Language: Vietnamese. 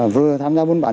vừa tham gia buôn bán